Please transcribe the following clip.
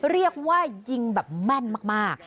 เรียกว่ายิงแบบแม่นมาก